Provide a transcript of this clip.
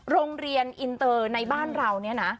โรงเรียนอินเตอร์ในบ้านเราเนี่ยนะ